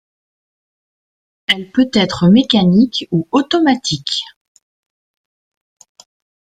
Elle peut être mécanique ou automatique.